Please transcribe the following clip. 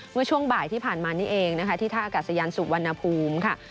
เมื่อช่วงบ่ายที่ผ่านมานี่เองนะคะที่ท่าอากาศยานสุวรรณภูมิค่ะ